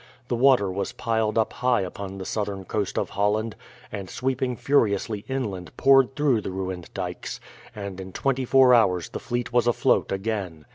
The water was piled up high upon the southern coast of Holland, and sweeping furiously inland poured through the ruined dykes, and in twenty four hours the fleet was afloat again.